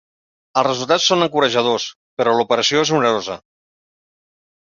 Els resultats són encoratjadors, però l'operació és onerosa.